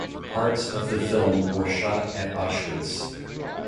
Parts of the film were shot at Auschwitz.